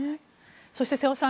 そして瀬尾さん